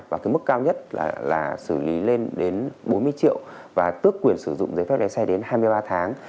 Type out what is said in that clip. và cái mức cao nhất là xử lý lên đến bốn mươi triệu và tước quyền sử dụng giấy phép lấy xe đến hai mươi ba tháng